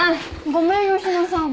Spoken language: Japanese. ごめん佳乃さん。